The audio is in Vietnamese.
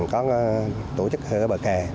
còn có tổ chức hơi ở bờ kè